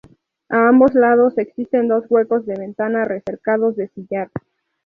A ambos lados, existen dos huecos de ventana recercados de sillar.